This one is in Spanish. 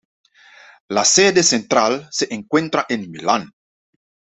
La sede central se encuentra en Milán.